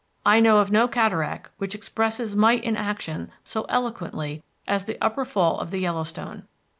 I know of no cataract which expresses might in action so eloquently as the Upper Fall of the Yellowstone.